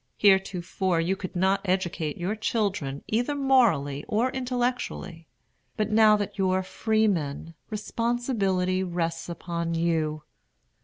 Heretofore, you could not educate your children, either morally or intellectually. But now that you are freemen, responsibility rests upon you.